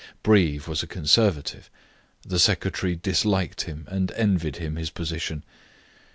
Breve was a Conservative; the secretary disliked him, and envied him his position.